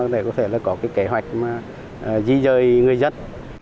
tuy nhiên vấn đề có thể là có kế hoạch di rời người dân